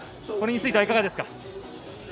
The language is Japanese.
これについてはいかがですか。